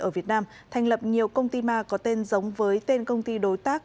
ở việt nam thành lập nhiều công ty ma có tên giống với tên công ty đối tác